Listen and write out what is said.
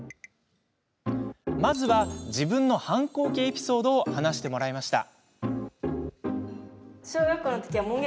まずは自分の反抗期エピソードを話してもらいました。